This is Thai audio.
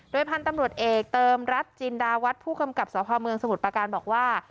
พันธุ์ตำรวจเอกเติมรัฐจินดาวัฒน์ผู้กำกับสพเมืองสมุทรประการบอกว่า